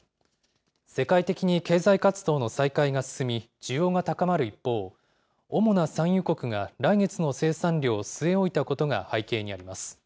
世界的に経済活動の再開が進み、需要が高まる一方、主な産油国が来月の生産量を据え置いたことが背景にあります。